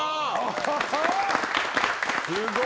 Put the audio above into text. すごーい！